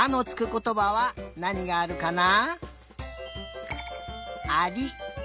ことばはなにがあるかな？